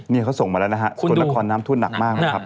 นี่เขาส่งมาแล้วนะฮะส่วนนครน้ำท่วมหนักมากนะครับ